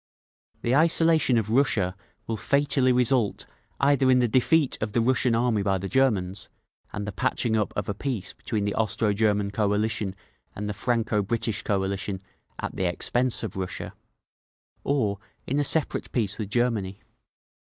"The isolation of Russia will fatally result either in the defeat of the Russian Army by the Germans, and the patching up of a peace between the Austro German coalition and the Franco British coalition at the expense of Russia—or in a separate peace with Germany.